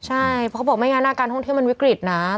ใช่เขาบอกไม่งานหน้าการท่องเที่ยวมันวิกฤตนะอือ